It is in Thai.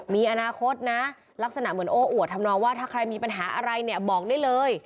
มีอนาคตนะลักษณะเหมือนโอ้อวดทำนองว่าถ้าใครมีปัญหาอะไรเนี่ยบอกได้เลย